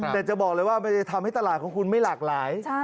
แต่จะบอกเลยว่ามันจะทำให้ตลาดของคุณไม่หลากหลาย